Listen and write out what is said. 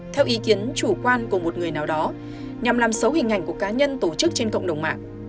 theo ý kiến chủ quan của một người nào đó nhằm làm xấu hình ảnh của cá nhân tổ chức trên cộng đồng mạng